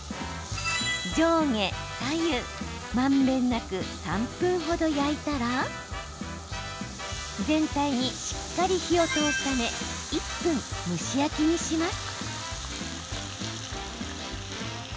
上下左右まんべんなく３分程焼いたら全体にしっかり火を通すため１分蒸し焼きにします。